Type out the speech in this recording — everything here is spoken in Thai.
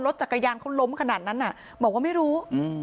จักรยานเขาล้มขนาดนั้นอ่ะบอกว่าไม่รู้อืม